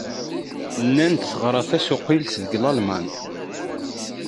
Nnan-d teɣra tasuqilt deg Lalman.